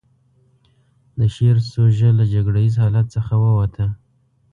د شعر سوژه له جګړه ييز حالت څخه ووته.